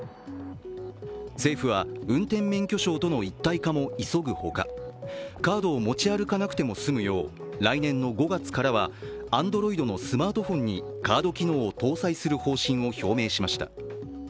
政府は、運転免許証との一体化も急ぐほか、カードを持ち歩かなくても済むよう来年の５月からはＡｎｄｒｏｉｄのスマートフォンにカード機能を搭載する方針を表明しました。